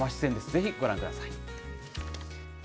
ぜひご覧ください。